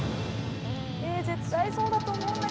絶対そうだと思うんだけどな。